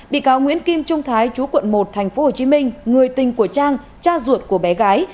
bị cáo nguyễn kim trung thái chú quận một tp hcm người tình của trang cha ruột của bé gái